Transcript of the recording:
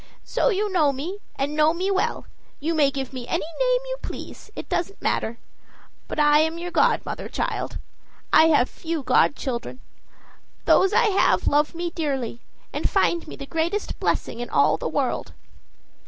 "So as you know me, and know me well, you may give me any name you please; it doesn't matter. But I am your godmother, child. I have few godchildren; those I have love me dearly, and find me the greatest blessing in all the world."